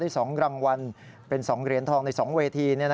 ๒รางวัลเป็น๒เหรียญทองใน๒เวที